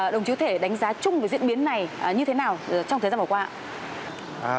đồng chí có thể đánh giá chung với diễn biến này như thế nào trong thời gian vừa qua ạ